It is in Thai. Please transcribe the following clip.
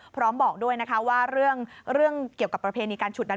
บอกด้วยนะคะว่าเรื่องเกี่ยวกับประเพณีการฉุดนั้น